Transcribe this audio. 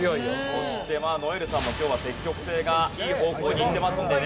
そして如恵留さんも今日は積極性がいい方向にいってますのでね。